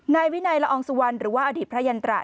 นายวินัยละอองสุวรรณหรือว่าอดีตพระยันตรา